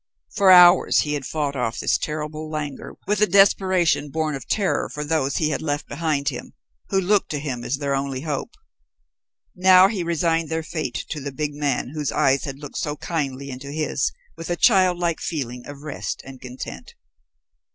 For hours he had fought off this terrible languor with a desperation born of terror for those he had left behind him, who looked to him as their only hope. Now he resigned their fate to the big man whose eyes had looked so kindly into his, with a childlike feeling of rest and content.